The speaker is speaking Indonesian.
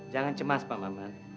jangan cemas pak maman